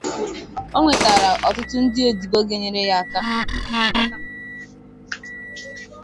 O nwekwara ọtụtụ ndị odibo ga-enyere ya aka.